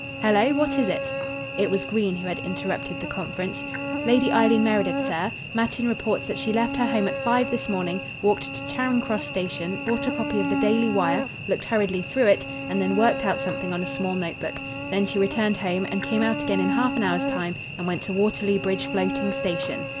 Hello! what is it?" It was Green who had interrupted the conference. "Lady Eileen Meredith, sir Machin reports that she left her home at five this morning, walked to Charing Cross Station, bought a copy of the Daily Wire, looked hurriedly through it, and then worked out something on a small notebook. Then she returned home, and came out again in half an hour's time and went to Waterloo Bridge floating station.